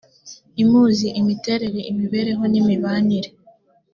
imuzi imiterere imibereho n imibanire